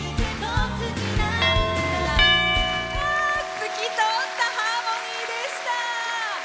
透き通ったハーモニーでした。